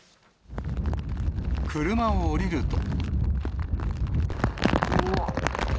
車を降りると。